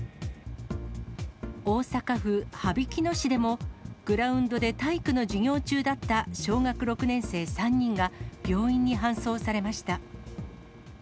大阪府羽曳野市でも、グラウンドで体育の授業中だった小学６年生３人が、病院に搬送されました。